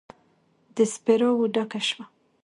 د سیپارو ډکه شوه